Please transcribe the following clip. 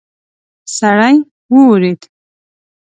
سړی وویرید.